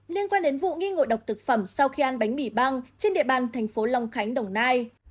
liên quan đến vụ nghi ngộ độc thực phẩm sau khi ăn bánh mì băng trên địa bàn thành phố long khánh đồng nai